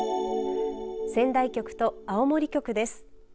仙台局と青森局です。